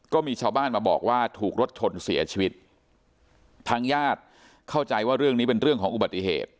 ก็มีชาวบ้านมาบอกว่าถูกรถชนเสียชีวิตทางญาติเข้าใจว่าเรื่องนี้เป็นเรื่องของอุบัติเหตุ